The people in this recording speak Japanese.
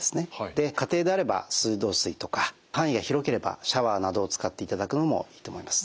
で家庭であれば水道水とか範囲が広ければシャワーなどを使っていただくのもいいと思います。